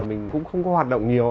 mình cũng không có hoạt động nhiều